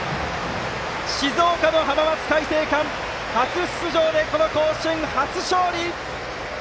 静岡の浜松開誠館初出場で甲子園初勝利！